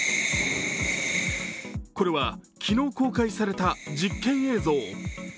これは昨日公開された実験映像。